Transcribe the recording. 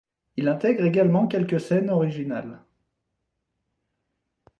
Il intègre également quelques scènes originales.